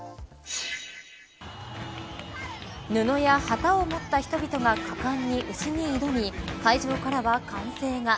布や旗を持った人々が果敢に牛に挑み会場からは歓声が。